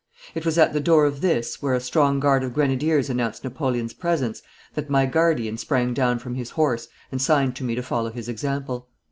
It was at the door of this, where a strong guard of grenadiers announced Napoleon's presence, that my guardian sprang down from his horse and signed to me to follow his example.